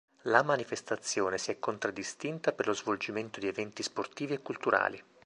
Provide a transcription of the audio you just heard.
La manifestazione si è contraddistinta per lo svolgimento di eventi sportivi e culturali.